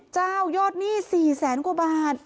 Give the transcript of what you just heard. ๓๐เจ้ายอดหนี้๔๐๐๐๐๐บาท